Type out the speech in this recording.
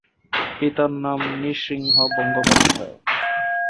পিতার নাম নৃসিংহ বন্দ্যোপাধ্যায়।